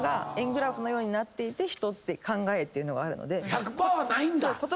１００％はないんだ。